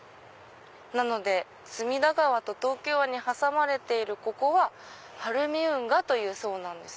なので隅田川と東京湾に挟まれているここは晴海運河というそうなんです。